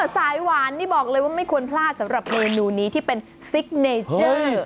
สายหวานนี่บอกเลยว่าไม่ควรพลาดสำหรับเมนูนี้ที่เป็นซิกเนเจอร์